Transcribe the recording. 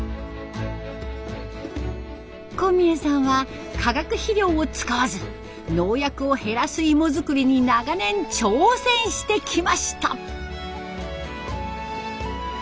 小宮さんは化学肥料を使わず農薬を減らす芋作りに長年挑戦してきました。